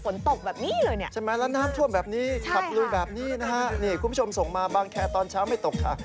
ฝนตกแบบนี้เลยเนี่ยใช่ไหมแล้วน้ำท่วมแบบนี้ขับลุยแบบนี้นะฮะนี่คุณผู้ชมส่งมาบางแคร์ตอนเช้าไม่ตกค่ะ